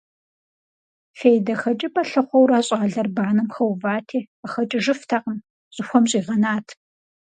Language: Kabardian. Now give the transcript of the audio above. ФейдэхэкӀыпӀэ лъыхъуэурэ, щӀалэр банэм хэувати, къыхэкӀыжыфтэкъым, щӀыхуэм щӀигъэнат.